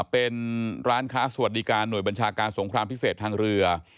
เป็นร้านค้าสวัสดิการหน่วยบัญชาการสงครามพิเศษทางเรือ